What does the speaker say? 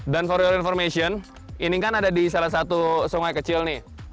dan for your information ini kan ada di salah satu sungai kecil nih